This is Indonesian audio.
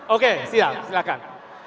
oke siap silakan